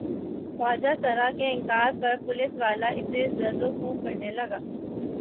خواجہ سرا کے انکار پہ پولیس والا اسے زدوکوب کرنے لگا۔